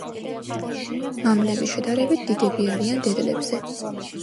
მამლები შედარებით დიდები არიან დედლებზე.